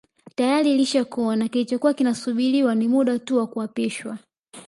Tayari ilishakuwa na kilichokuwa kinasubiriwa ni muda tu wa kuapishwa